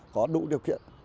có đủ điều kiện